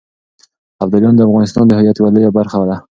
ابداليان د افغانستان د هویت يوه لويه برخه ده.